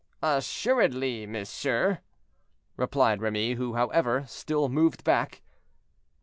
"Assuredly, monsieur," replied Remy, who, however, still moved back.